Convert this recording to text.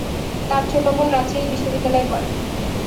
তার ছোট বোন রাজশাহী বিশ্বনিদ্যালয়ে পড়ে।